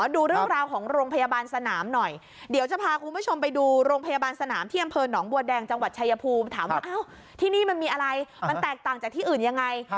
ดูเรื่องราวของโรงพยาบาลสนามหน่อยเดี๋ยวจะพาคุณผู้ชมไปดูโรงพยาบาลสนามที่อำเภอหนองบัวแดงจังหวัดชายภูมิถามว่าที่นี่มันมีอะไรมันแตกต่างจากที่อื่นยังไง